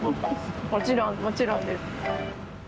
もちろんもちろんです。